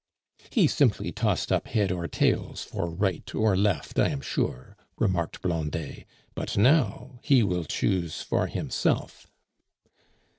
"He simply tossed up head or tails for Right or Left, I am sure," remarked Blondet, "but now he will choose for himself."